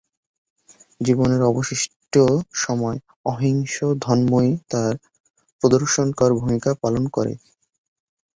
জীবনের অবশিষ্ট সময় অহিংস ধম্মই তাঁর পথপ্রদশ©র্কর ভূমিকা পালন করে।